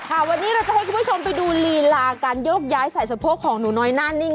วันนี้เราจะให้คุณผู้ชมไปดูลีลาการโยกย้ายใส่สะโพกของหนูน้อยหน้านิ่ง